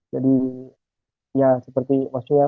jadi seperti maksudnya